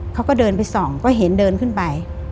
เขาก็เดินไปส่องก็เห็นเดินขึ้นไป